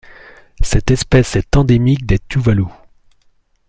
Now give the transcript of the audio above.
Cette espèce est endémique des Tuvalu.